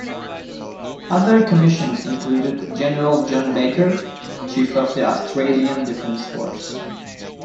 Other commissions included General John Baker, Chief of the Australian Defence Force.